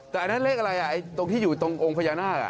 แต่อันนั้นเลขอะไรตรงที่อยู่ตรงองค์พญานาค